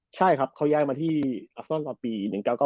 ใช่ครับเขาย้ายมาที่อัฟนอนตอนปี๑๙๙